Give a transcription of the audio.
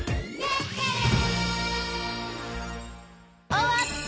おわった！